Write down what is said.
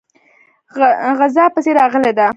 غزا پسې راغلی دی.